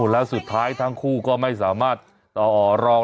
แล้วสุดท้ายทั้งคู่ก็ไม่สามารถต่อรอง